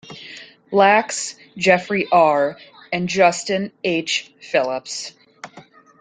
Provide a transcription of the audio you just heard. Lax, Jeffrey R., and Justin H. Phillips.